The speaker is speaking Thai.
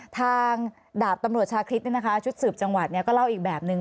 ดาบตำรวจชาคริสชุดสืบจังหวัดก็เล่าอีกแบบนึง